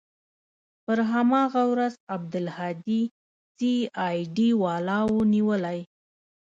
پر هماغه ورځ عبدالهادي سي آى ډي والاو نيولى.